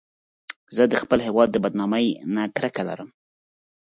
زه د خپل هېواد د بدنامۍ نه کرکه لرم